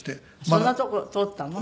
そんなとこ通ったの？